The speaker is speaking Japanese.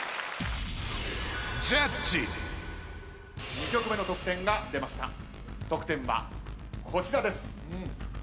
２曲目の得点が出ました得点はこちらです。